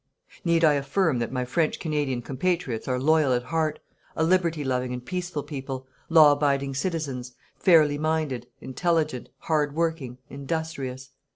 Need I affirm that my French Canadian compatriots are loyal at heart, a liberty loving and peaceful people, law abiding citizens, fairly minded, intelligent, hard working, industrious.